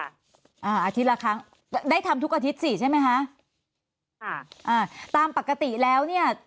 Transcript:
อาทิตย์ละครั้งได้ทำทุกอาทิตย์สิใช่ไหมคะค่ะอ่าตามปกติแล้วเนี้ย